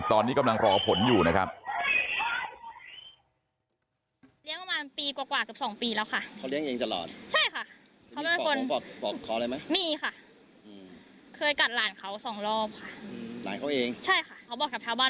ตอนนี้กำลังรอผลอยู่นะครับ